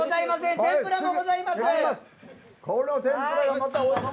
天ぷらもございます。